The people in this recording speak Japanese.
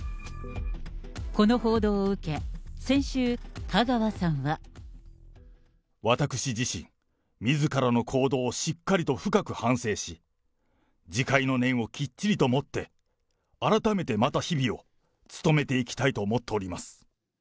この報道を受け、先週、香川さんは。私自身、みずからの行動をしっかりと深く反省し、自戒の念をきっちりと持って、改めて、また日々を務めていきたいと思っております。